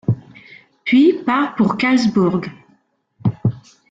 Puis, pars pour Karlsburg...